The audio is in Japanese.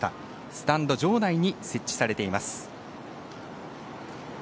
スタンド場内に設置されています。